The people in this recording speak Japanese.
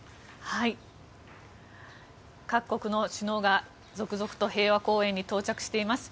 各国の首脳が続々と平和公園に到着しています。